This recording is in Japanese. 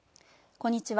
こんにちは。